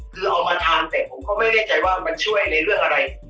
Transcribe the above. คือเอามาทานแต่ผมก็ไม่แน่ใจว่ามันช่วยในเรื่องอะไร